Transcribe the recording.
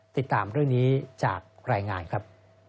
ติดตามเรื่องนี้จากรายงานครับ